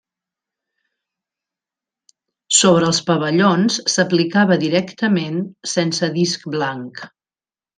Sobre els pavellons s'aplicava directament sense disc blanc.